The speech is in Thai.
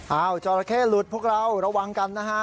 เอ่าเจ้าไอเค่หลุดพวกเราระวังกันนะฮะ